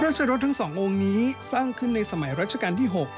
ชรสทั้ง๒องค์นี้สร้างขึ้นในสมัยรัชกาลที่๖